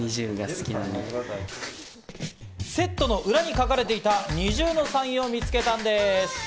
セットの裏に書かれていたＮｉｚｉＵのサインを見つけたのです。